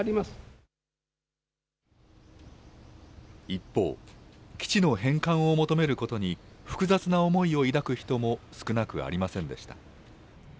一方、基地の返還を求めることに、複雑な思いを抱く人も少なくありませんでした。